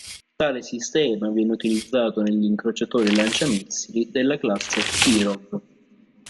Tale sistema viene utilizzato negli incrociatori lanciamissili della Classe Kirov.